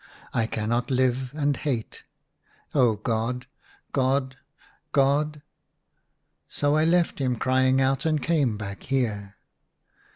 I cannot live and hate. Oh, God, God, God !' So I left him crying out and came back here."